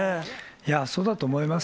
いや、そうだと思います。